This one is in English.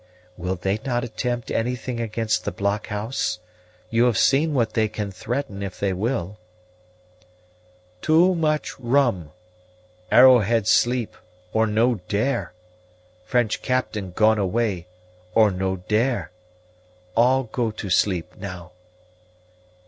"Will they not attempt anything against the blockhouse? You have seen what they can threaten if they will." "Too much rum. Arrowhead sleep, or no dare; French captain gone away, or no dare. All go to sleep now."